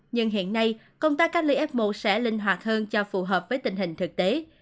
nhưng hiện nay công tác cách ly f một sẽ linh hoạt hơn cho phù hợp với tình hình thực tế